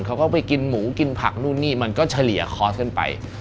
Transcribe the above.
เขาก็ไปกินหมูกินผักนู่นนี่มันก็เฉลี่ยคอร์สขึ้นไป